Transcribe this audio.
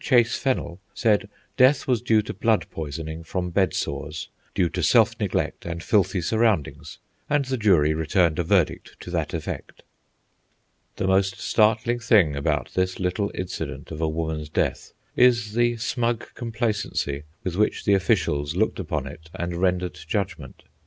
Chase Fennell said death was due to blood poisoning from bed sores, due to self neglect and filthy surroundings, and the jury returned a verdict to that effect. The most startling thing about this little incident of a woman's death is the smug complacency with which the officials looked upon it and rendered judgment.